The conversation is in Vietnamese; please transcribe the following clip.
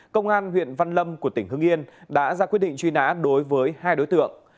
công an huyện văn lâm của tỉnh hưng yên đã ra quyết định truy nã đối với hai đối tượng